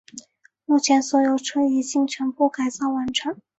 目前所有车已全部改造完毕。